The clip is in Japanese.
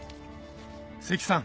関さん